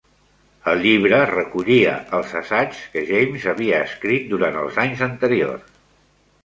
El llibre recollia els assaigs que James havia escrit durant els anys anteriors.